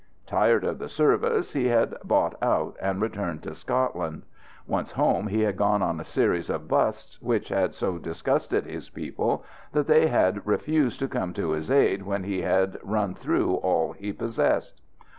Tired of the service, he had "bought out," and returned to Scotland. Once home he had gone on a series of "busts," which had so disgusted his people that they had refused to come to his aid when he had run through all he possessed.